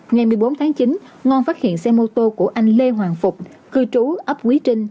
ngày một mươi bốn tháng chín ngon phát hiện xe mô tô của anh lê hoàng phục cư trú ấp quý trinh